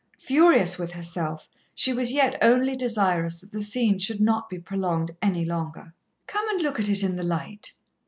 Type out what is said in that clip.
Furious with herself, she was yet only desirous that the scene should not be prolonged any longer. "Come and look at it in the light?"